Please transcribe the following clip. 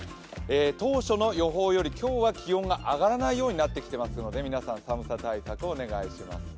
当初の予報より今日は気温が上がらないようになっていますので、皆さん寒さ対策をお願いします。